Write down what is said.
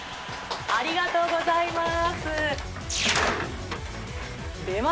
ありがとうございます。